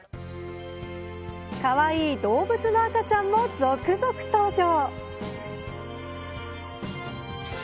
かわいい動物の赤ちゃんも続々登場！